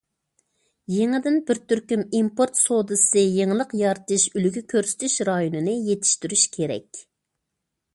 يېڭىدىن بىر تۈركۈم ئىمپورت سودىسى يېڭىلىق يارىتىش ئۈلگە كۆرسىتىش رايونىنى يېتىشتۈرۈش كېرەك.